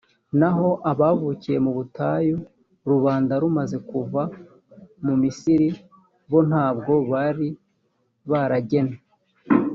naho abavukiye mu butayu, rubanda rumaze kuva mu misiri, bo nta bwo bari baragenywe.